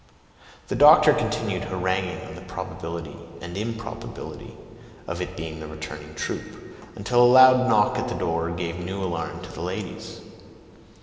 The doctor continued haranguing on the probability and improbability of its being the returning troop, until a loud knock at the door gave new alarm to the ladies.